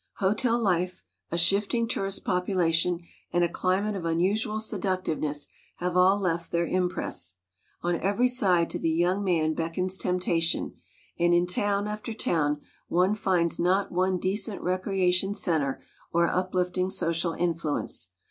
Hotel life, a shifting tourist population, and a cli mate of unusual seductiveness, have all left their impress. On every side to the young man beckons temptation, and in town after town one finds not one decent recreation center or uplifting social influence.